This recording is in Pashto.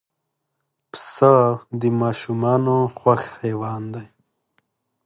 پسه د ماشومانو خوښ حیوان دی.